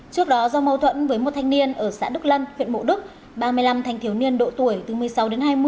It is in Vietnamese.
trước đó do mâu thuẫn với một thanh niên ở xã đức lân huyện mộ đức ba mươi năm thanh thiếu niên độ tuổi từ một mươi sáu đến hai mươi